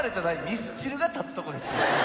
ミスチルが立つとこですよ。